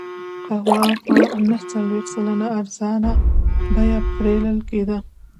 قهوه په نهه څلوېښت سلنه ارزانه بیه پېرل کېده.